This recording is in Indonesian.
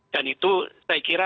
dan itu saya kira